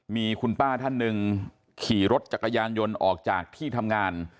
มีคุณป้าท่านหนึ่งขี่รถจักรยานยนต์ออกจากที่ทำงาน